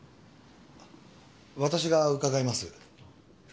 私が伺います。